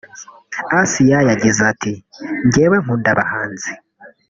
Assia yagize ati “ Njyewe nkunda abahanzi